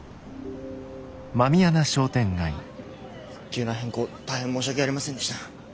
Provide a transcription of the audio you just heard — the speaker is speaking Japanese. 急な変更大変申し訳ありませんでした。